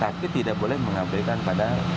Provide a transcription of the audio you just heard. tapi tidak boleh mengamplikan pada